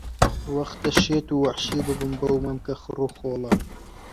وەختە شێت و وەحشی بم بەو مەمکە خڕ و خۆڵە